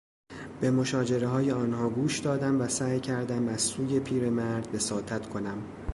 به مشاجرههای آنها گوش دادم و سعی کردم از سوی پیرمرد وساطت کنم.